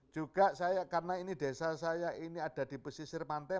juga saya karena ini desa saya ini ada di pesisir pantai